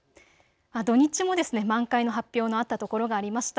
土日も満開の発表のあったところがありました。